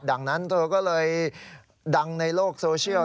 ดังนั้นเธอก็เลยดังในโลกโซเชียล